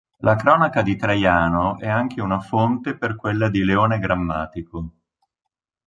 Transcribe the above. La cronaca di Traiano è anche una fonte per quella di Leone Grammatico.